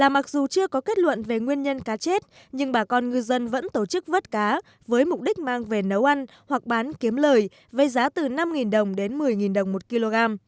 mặc dù chưa có kết luận về nguyên nhân cá chết nhưng bà con ngư dân vẫn tổ chức vớt cá với mục đích mang về nấu ăn hoặc bán kiếm lời với giá từ năm đồng đến một mươi đồng một kg